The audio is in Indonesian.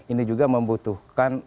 ini juga membutuhkan